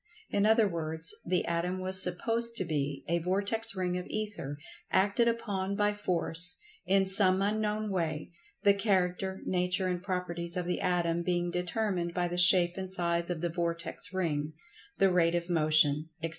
In other words, the Atom was supposed to be a vortex ring of Ether, acted upon by Force, in some unknown way, the character, nature and properties of the Atom being determined by the shape and size of the vortex ring; the rate of motion; etc.